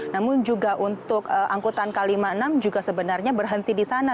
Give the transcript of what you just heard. namun juga untuk angkutan k lima puluh enam juga sebenarnya berhenti di sana